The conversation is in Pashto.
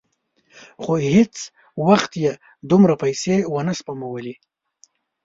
خو هېڅ وخت یې دومره پیسې ونه سپمولې.